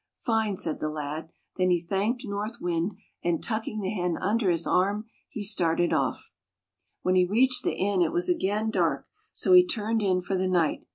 " Fine! " said the lad. Then he thanked North Wind, and tucking the hen under his arm, he started off. When he reached the inn, it was again dark, so he turned in for the night.